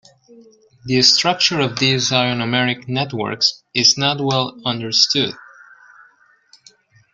The structure of these ionomeric networks is not well understood.